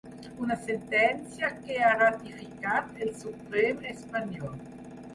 Una sentència que ha ratificat el Suprem espanyol.